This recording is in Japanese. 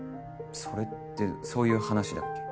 それってそういう話だっけ？